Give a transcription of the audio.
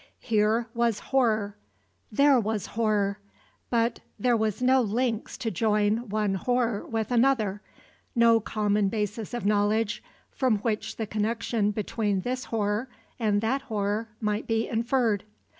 Here was horror, there was horror; but there was no links to join one horror with another; no common basis of knowledge from which the connection between this horror and that horror might be inferred.